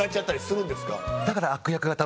だから。